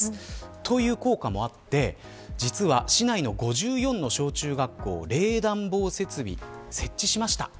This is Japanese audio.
そういった効果もあって市内の５４の小中学校が冷暖房設備、設置しました。